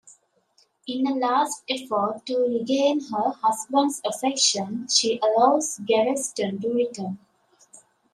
In a last effort to regain her husband's affection, she allows Gaveston to return.